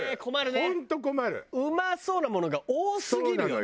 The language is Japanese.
うまそうなものが多すぎるよね。